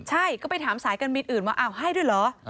ใช่ก็ไปถามสายการบินอื่นว่าอ้าวให้ด้วยเหรอ